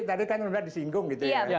tadi kan sudah disinggung gitu ya